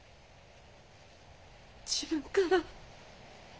自分から。